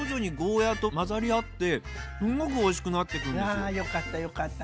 けどあよかったよかった。